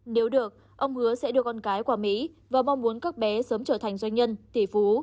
nếu được ông hứa sẽ đưa con cái qua mỹ và mong muốn các bé sớm trở thành doanh nhân tỷ phú